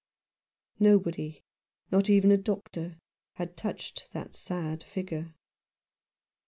Nobody — not even a doctor — had touched that sad figure.